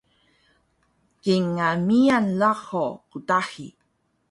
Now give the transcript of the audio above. Kingal miyan rahul qtahi